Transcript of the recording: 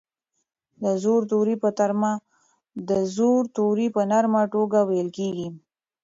د زور توری په نرمه توګه ویل کیږي.